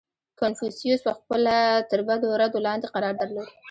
• کنفوسیوس پهخپله تر بدو ردو لاندې قرار درلود.